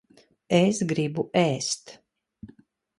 Es gribu ēst.